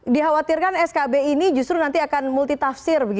dihawatirkan skb ini justru nanti akan multi tafsir